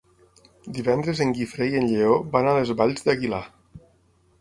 Divendres en Guifré i en Lleó van a les Valls d'Aguilar.